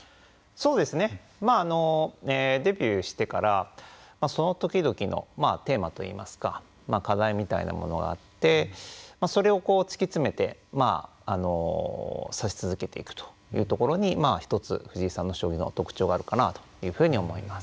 そうですねデビューしてからその時々のテーマといいますか課題みたいなものがあってそれを突き詰めて指し続けていくというところに、１つ藤井さんの将棋の特徴があるかなというふうに思います。